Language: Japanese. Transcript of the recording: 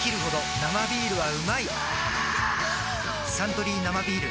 「サントリー生ビール」